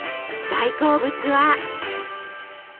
大好物は。